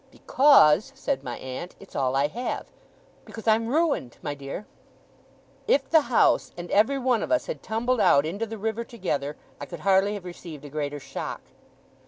'Because,' said my aunt, 'it's all I have. Because I'm ruined, my dear!' If the house, and every one of us, had tumbled out into the river together, I could hardly have received a greater shock.